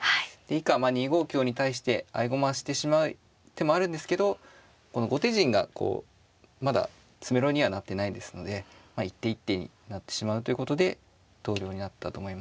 以下まあ２五香に対して合駒してしまう手もあるんですけどこの後手陣がこうまだ詰めろにはなってないですので一手一手になってしまうということで投了になったと思います。